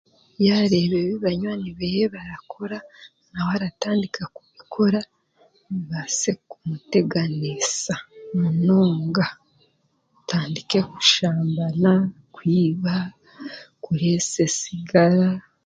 Yaareeba ebi banywani beeye barikukora nawe aratandika kubikora bitandike kumuteganisa munonga atandike kushambana kwiba kureesa esigara